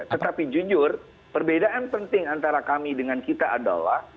tetapi jujur perbedaan penting antara kami dengan kita adalah